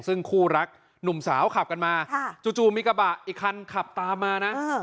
ซึ่งคู่รักหนุ่มสาวขับกันมาจู่มีกระบะอีกคันขับตามมานะ